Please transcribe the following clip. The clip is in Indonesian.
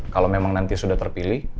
kalau memang nanti sudah terpilih